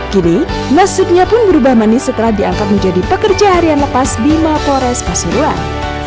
kini nasibnya pun berubah manis setelah diangkat menjadi pekerja harian lepas di mapores pasuruan